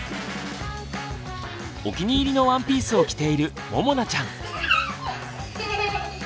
お気に入りのワンピースを着ているももなちゃん。